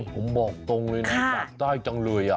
ผมบอกตรงเลยนะปากใต้จังเลย